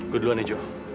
gue duluan ya joe